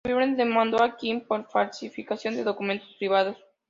En noviembre demandó a Kim por falsificación de documentos privados.